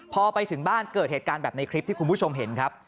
พอไปถึงบ้านเกิดเหตุการณ์แบบในคลิปที่คุณผู้ชมเห็นครับ